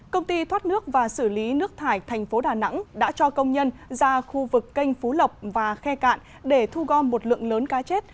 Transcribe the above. công ty thoát nước và xử lý nước thải thành phố đà nẵng đã cho công nhân ra khu vực canh phú lọc và khe cạn để thu gom một lượng lớn cá chết